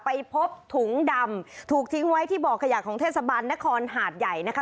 ไปพบถุงดำถูกทิ้งไว้ที่บ่อขยะของเทศบาลนครหาดใหญ่นะคะ